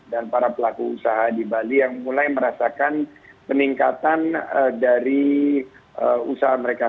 dan para pelaku usaha di bali yang mulai merasakan peningkatan dari usaha mereka